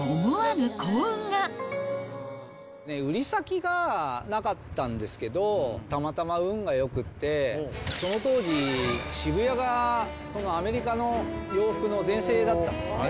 売り先がなかったんですけど、たまたま運がよくって、その当時、渋谷がそのアメリカの洋服の全盛だったんですよね。